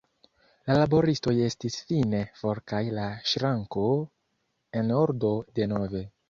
La laboristoj estis fine for kaj la ŝranko en ordo denove.